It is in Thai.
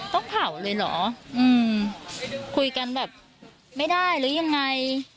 ต้องเผาเลยเหรออืมคุยกันแบบไม่ได้หรือยังไง